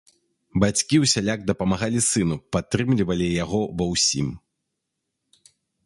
Бацькі ўсяляк дапамагалі сыну, падтрымлівалі яго ва ўсім.